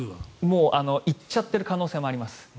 行っちゃってる可能性もあります。